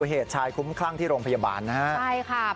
เพื่อเหตุชายคุ้มคลั่งที่โรงพยาบาลนะครับ